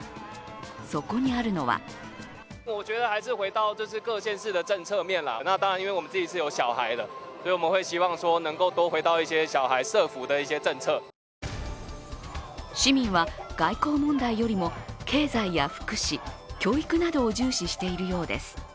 そこにあるのは市民は外交問題よりも経済や福祉、教育などを重視しているようです。